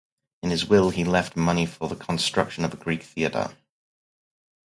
In his will he left money for the construction of a Greek theatre.